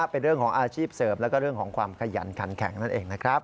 เป็นเรื่องของอาชีพเสริมแล้วก็เรื่องของความขยันขันแข็งนั่นเองนะครับ